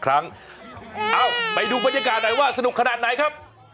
คุณซู่สุดชีวิตเลยมั้ยหนา